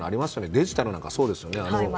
デジタルなんかそうですよね。